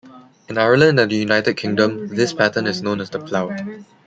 In Ireland and the United Kingdom, this pattern is known as the Plough.